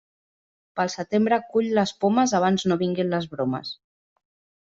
Pel setembre cull les pomes abans no vinguin les bromes.